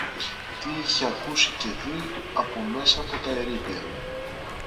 τι είχε ακούσει και δει από μέσα από τα ερείπια